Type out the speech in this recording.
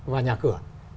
và nhà cửa